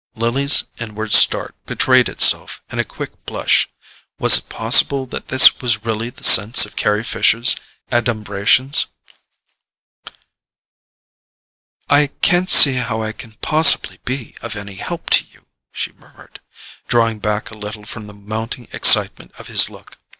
Lily's inward start betrayed itself in a quick blush: was it possible that this was really the sense of Carry Fisher's adumbrations? "I can't see how I can possibly be of any help to you," she murmured, drawing back a little from the mounting excitement of his look.